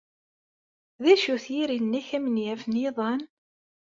D acu-t yiri-nnek amenyaf n yiḍan?